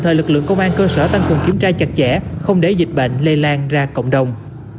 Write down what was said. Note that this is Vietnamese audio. thời lực lượng công an cơ sở tăng cường kiểm tra chặt chẽ không để dịch bệnh lây lan ra cộng đồng